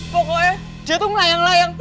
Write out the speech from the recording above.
pokoknya dia tuh melayang layang tuh